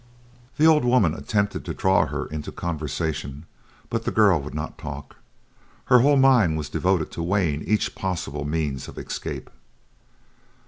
The old woman attempted to draw her into conversation, but the girl would not talk. Her whole mind was devoted to weighing each possible means of escape.